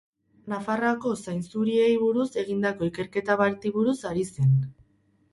Nafarroako zainzuriei buruz egindako ikerketa bati buruz ari zen.